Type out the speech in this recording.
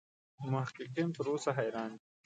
محققین تر اوسه حیران دي.